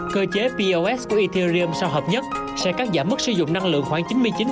cơ chế pos của ethereum sau hợp nhất sẽ cắt giảm mức sử dụng năng lượng khoảng chín mươi chín chín mươi năm